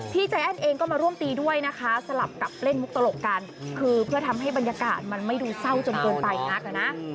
ใจแอ้นเองก็มาร่วมตีด้วยนะคะสลับกับเล่นมุกตลกกันคือเพื่อทำให้บรรยากาศมันไม่ดูเศร้าจนเกินไปนักอะนะ